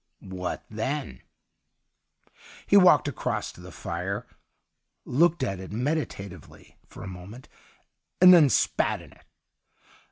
' What then }' He walked across to the fire, looked at it meditatively for a moment, and then spat in it.